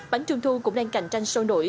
bánh trung thu cũng đang cạnh tranh sâu nổi